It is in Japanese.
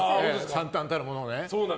惨憺たるものをね。